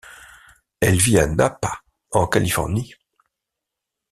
Elle vit à Napa en Californie.